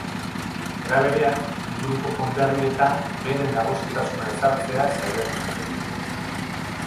Era berean, inguruko konderrietan bere nagusitasuna ezartzea saiatu zuten.